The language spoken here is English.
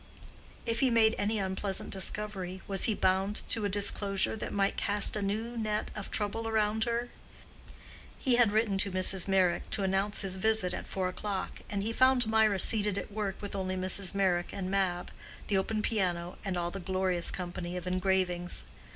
If he made any unpleasant discovery, was he bound to a disclosure that might cast a new net of trouble around her? He had written to Mrs. Meyrick to announce his visit at four o'clock, and he found Mirah seated at work with only Mrs. Meyrick and Mab, the open piano, and all the glorious company of engravings.